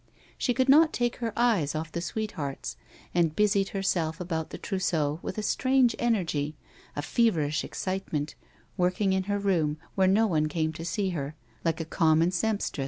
She could not take her eyes off the sweethearts, and busied herself about the trousseau with a strange energy, a feverish excitement, working in her room, where no one came to see her, like a common sempstress.